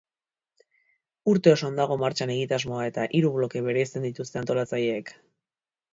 Urte osoan dago martxan egitasmoa eta hiru bloke bereizten dituzte antolatzaileek.